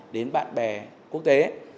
đến bạn bè quốc tế